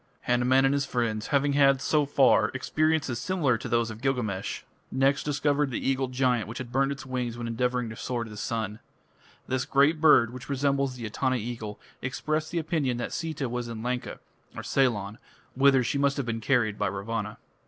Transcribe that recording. Hanuman and his friends, having had, so far, experiences similar to those of Gilgamesh, next discovered the eagle giant which had burned its wings when endeavouring to soar to the sun. This great bird, which resembles the Etana eagle, expressed the opinion that Sita was in Lanka (Ceylon), whither she must have been carried by Ravana.